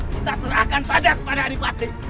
tidak ada yang bisa diberikan kepada adipati